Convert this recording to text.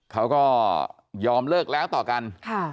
เขาก็ยอมเลิกแล้วต่อกัน